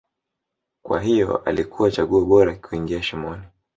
kwa hivyo alikuwa chaguo bora kuingia shimoni